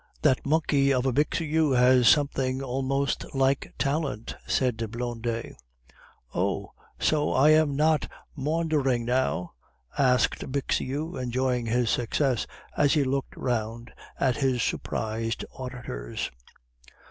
"That monkey of a Bixiou has something almost like talent," said Blondet. "Oh! so I am not maundering now?" asked Bixiou, enjoying his success as he looked round at his surprised auditors.